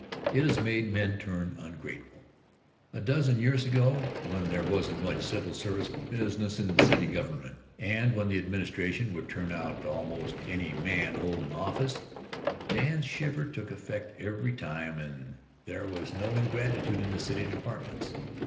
It has made men turn ungrateful. A dozen years ago, when there wasn't much civil service business in the city government, and when the administration could turn out almost any man holdin' office, Dan's shiver took effect every time and there was no ingratitude in the city departments.